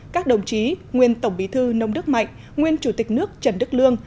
các đồng chí nguyên tổng bí thư nông đức mạnh nguyên chủ tịch nước trần đức lương